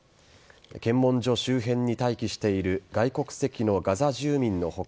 検問所周辺に待機している外国籍のガザ住民の他